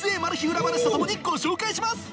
裏話とともにご紹介します